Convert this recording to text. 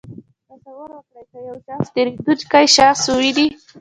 تصور وکړئ که یو شخص تېرېدونکی شخص وویني.